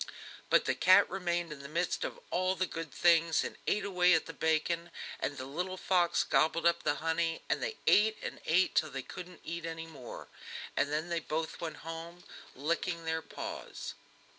But the cat remained in the midst of all the good things and ate away at the bacon, and the little fox gobbled up the honey, and they ate and ate till they couldn't eat any more, and then they both went home licking their paws.